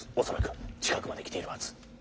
恐らく近くまで来ているはず。